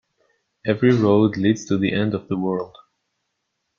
Every road leads to the end of the world.